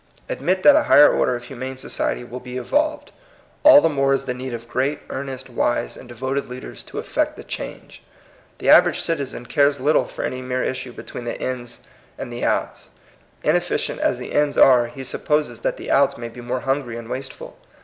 Admit that a higher order of humane society will be evolved. All the moi e is the need of great, earnest, wise, and devoted leaders to effect the change. The average citizen cares little for any mere issue between the " ins " and the " outs." Inefficient as the " ins " are, he suspects that the " outo " may be more hungry and wasteful.